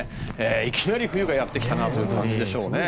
いきなり冬がやってきたなという感じでしょうね。